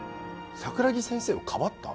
桜木先生をかばった？